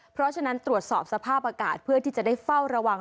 เพราะฉะนั้นตรวจสอบสภาพอากาศเพื่อที่จะได้เฝ้าระวัง